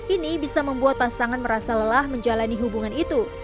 ini bisa membuat pasangan merasa lelah menjalani hubungan itu